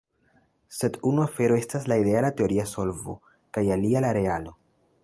Sed unu afero estas la ideala teoria solvo kaj alia la realo.